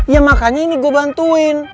ya makanya ini gue bantuin